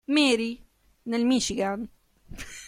Marie, nel Michigan.